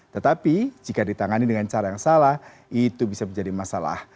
tetapi jika ditangani dengan cara yang salah itu bisa menjadi masalah